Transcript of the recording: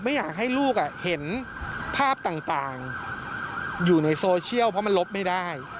ไม่อยากให้ลูกเห็นภาพต่างอยู่ในโซเชียลเพราะมันลบไม่ได้